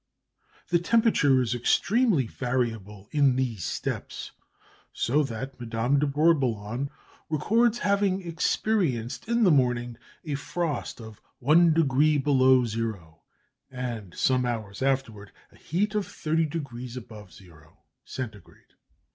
" The temperature is extremely variable in these steppes, so that Madame de Bourboulon records having experienced in the morning a frost of one degree below zero, and some hours afterwards a heat of thirty degrees above zero (Centigrade).